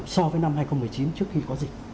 so với năm hai nghìn một mươi chín trước khi có dịch